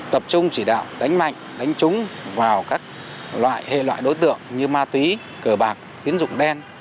tập trung chỉ đạo đánh mạnh đánh trúng vào các loại hệ loại đối tượng như ma túy cờ bạc tiến dụng đen